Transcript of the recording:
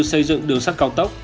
xây dựng đường sắt cao tốc